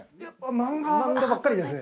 漫画ばっかりですね。